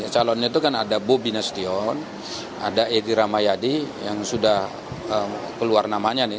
calonnya itu kan ada bobi nasution ada edi ramayadi yang sudah keluar namanya nih